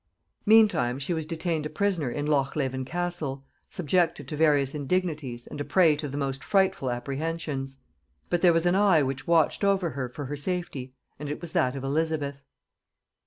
Meantime she was detained a prisoner in Loch Leven castle, subjected to various indignities, and a prey to the most frightful apprehensions. But there was an eye which watched over her for her safety; and it was that of Elizabeth.